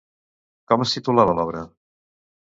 Com es titulava l'obra?